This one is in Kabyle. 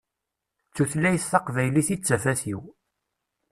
D tutlayt taqbaylit i d tafat-iw.